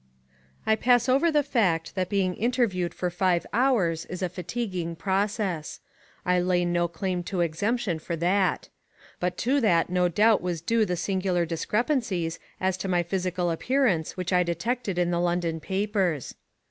I pass over the fact that being interviewed for five hours is a fatiguing process. I lay no claim to exemption for that. But to that no doubt was due the singular discrepancies as to my physical appearance which I detected in the London papers.